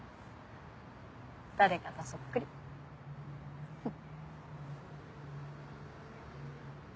誰かとそっくりフフ。